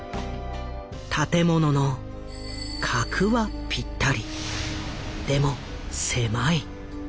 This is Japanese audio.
建物の「格」はぴったりでも「狭い」。